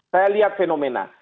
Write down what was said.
saya lihat fenomena